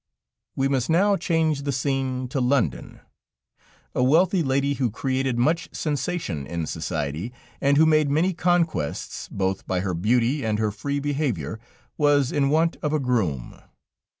We must now change the scene to London. A wealthy lady who created much sensation in society, and who made many conquests both by her beauty and her free behavior, was in want of a groom.